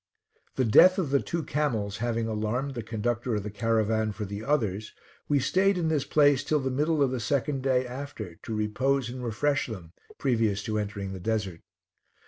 The death of the two camels having alarmed the conductor of the caravan for the others, we stayed in this place till the middle of the second day after to repose and refresh them previous to entering the desert.